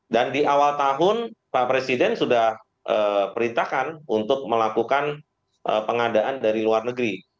dan di awal tahun pak presiden sudah perintahkan untuk melakukan pengadaan dari luar negeri